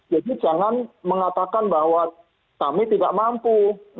jadi jangan mengatakan bahwa kami tidak mampu